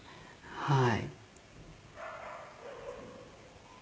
はい。